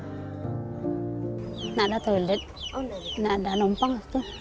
tidak ada toilet tidak ada numpang